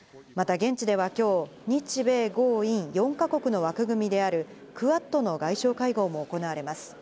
また現地では今日、日米豪印４か国の枠組みであるクアッドの外相会合も行われます。